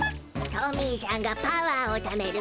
トミーしゃんがパワーをためる